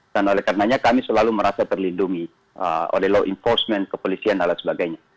dan oleh karenanya kami selalu merasa terlindungi oleh law enforcement kepolisian dan lain sebagainya